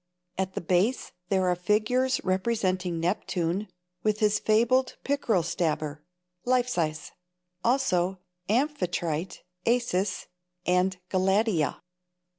At the base there are figures representing Neptune with his fabled pickerel stabber, life size; also Amphitrite, Acis and Galatea.